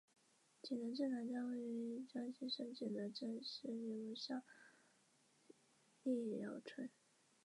扶摇关帝庙始建于明万历二十八年两次重修。